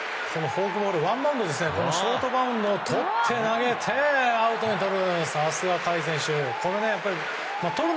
フォークボール、ワンバウンドショートバウンドをとって投げてアウトにとる！